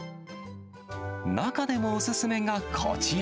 中でもお勧めがこちら。